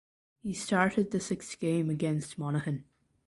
He started the sixth game against Monaghan.